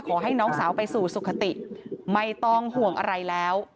ขอให้น้องสาวไปสู่สุขติไม่ต้องห่วงอะไรแล้ว